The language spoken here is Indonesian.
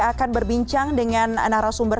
akan berbincang dengan narasumber